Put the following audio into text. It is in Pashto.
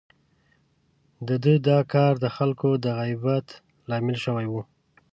د ده دا کار د خلکو د غيبت لامل شوی و.